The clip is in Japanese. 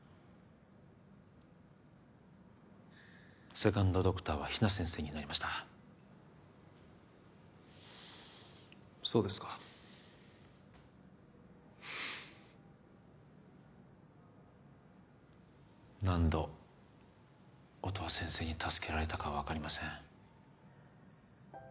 セカンドドクターは比奈先生になりましたそうですか何度音羽先生に助けられたか分かりません